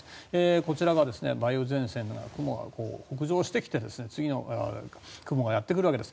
こちらが梅雨前線の雲が北上してきて次の雲がやってくるわけです。